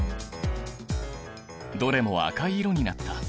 どれも赤い色になった。